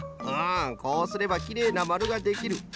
うんこうすればきれいなまるができる。